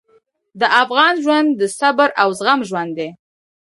د افغان ژوند د صبر او زغم ژوند دی.